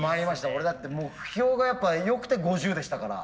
俺だって目標がやっぱよくて５０でしたから。